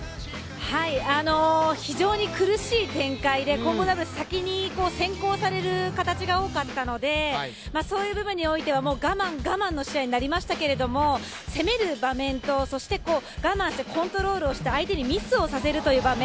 非常に苦しい展開で混合ダブルス、先に先行される形が多かったのでそういう部分においてはもう我慢、我慢の試合になりましたけど攻める場面と、そして我慢してコントロールをして相手にミスをさせるという場面